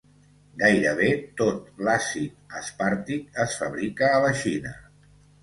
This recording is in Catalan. Gairebé tot l'àcid aspàrtic es fabrica a la Xina.